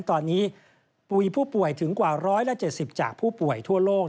ตอนนี้ปุ๋ยผู้ป่วยถึงกว่า๑๗๐จากผู้ป่วยทั่วโลก